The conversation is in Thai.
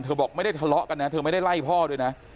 บอกไม่ได้ทะเลาะกันนะเธอไม่ได้ไล่พ่อด้วยนะ